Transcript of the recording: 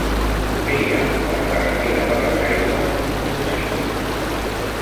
Què hi ha a la carretera de les Aigües número cinc?